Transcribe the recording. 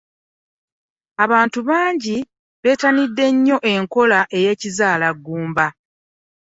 abantu bangi betanidde nnyo enkola y'ekizaala ggumba.